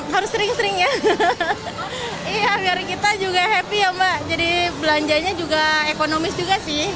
harus ring ring ya iya biar kita juga happy ya mbak jadi belanjanya juga ekonomis juga sih